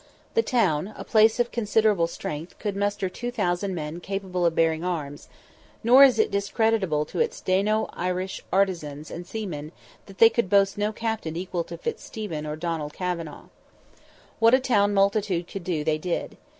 The town, a place of considerable strength, could muster 2,000 men capable of bearing arms, nor is it discreditable to its Dano Irish artizans and seamen that they could boast no captain equal to Fitzstephen or Donald Kavanagh. What a town multitude could do they did.